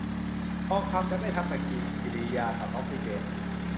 ทองคำจะไม่ทำปฏิกิริยากับออกซิเจน